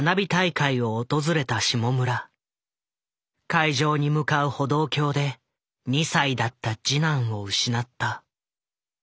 会場に向かう歩道橋で２歳だった次男を失った。